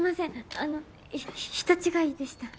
あの人違いでした。